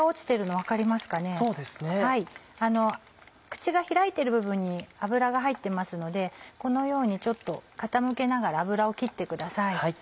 口が開いてる部分に油が入ってますのでこのようにちょっと傾けながら油を切ってください。